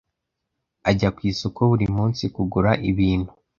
Ajya ku isoko buri munsi kugura ibintu.